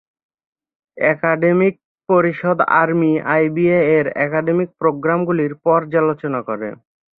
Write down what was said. Academic পরিষদ army আইবিএ-এর academic প্রোগ্রামগুলির পর্যালোচনা করে।